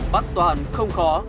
bắt toàn không khó